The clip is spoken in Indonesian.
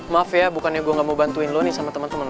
maaf ya bukannya gue gak mau bantuin lo nih sama temen temen lo